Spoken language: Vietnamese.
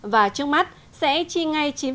và trước mắt sẽ chi ngay